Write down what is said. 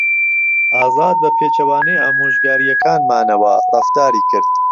ئازاد بەپێچەوانەی ئامۆژگارییەکانمانەوە ڕەفتاری کرد.